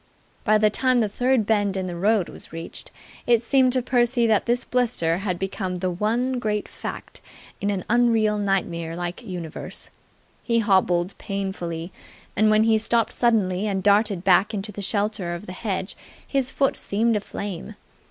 By the time the third bend in the road was reached, it seemed to Percy that this blister had become the one great Fact in an unreal nightmare like universe. He hobbled painfully: and when he stopped suddenly and darted back into the shelter of the hedge his foot seemed aflame.